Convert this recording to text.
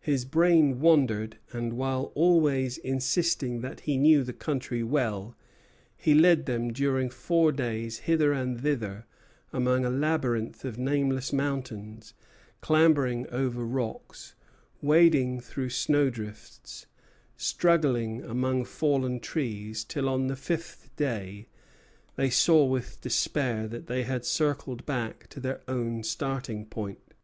His brain wandered; and while always insisting that he knew the country well, he led them during four days hither and thither among a labyrinth of nameless mountains, clambering over rocks, wading through snowdrifts, struggling among fallen trees, till on the fifth day they saw with despair that they had circled back to their own starting point.